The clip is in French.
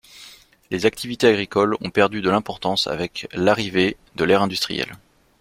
Les activités agricoles ont perdu de l'importance avec l'arrivée de l'aire industrielle.